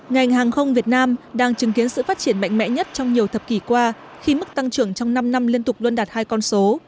ngành hàng không việt nam đang chứng kiến sự phát triển mạnh mẽ nhất trong nhiều thập kỷ qua khi mức tăng trưởng trong năm năm liên tục luôn đạt hai con số